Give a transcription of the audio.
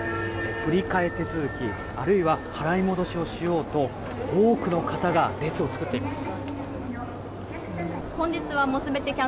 振り替え手続きあるいは払い戻しをしようと多くの方が列を作っています。